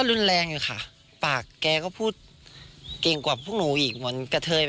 แต่ว่าแก๊ก็มีเรื่องทุกที่นั่นแหละค่ะ